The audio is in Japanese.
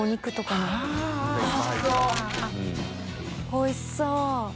おいしそう。